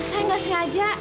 saya nggak sengaja